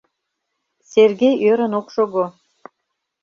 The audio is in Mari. Сергей ӧрын ок шого.